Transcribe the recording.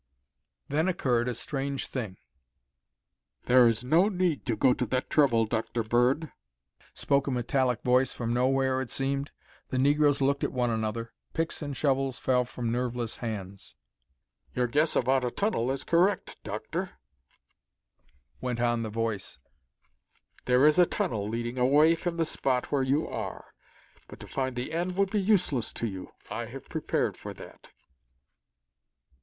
Then occurred a strange thing. "There is no need to go to that trouble, Dr. Bird," spoke a metallic voice, from nowhere, it seemed. The negroes looked at one another. Picks and shovels fell from nerveless hands. "Your guess about a tunnel is correct, Doctor," went on the Voice. "There is a tunnel leading away from the spot where you are, but to find the end would be useless to you. I have prepared for that."